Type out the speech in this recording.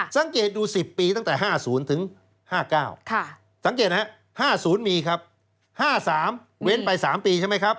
สังเกตดู๑๐ปีตั้งแต่๕๐ถึง๕๙สังเกตนะครับ๕๐มีครับ๕๓เว้นไป๓ปีใช่ไหมครับ